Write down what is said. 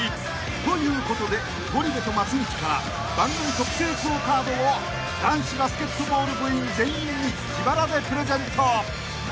［ということでゴリ部と松道から番組特製ＱＵＯカードを男子バスケットボール部員全員に自腹でプレゼント］